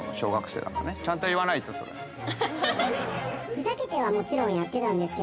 「ふざけてはもちろんやってたんですけども」